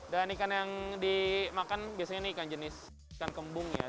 dan ikan yang dimakan biasanya ini ikan jenis ikan kembung ya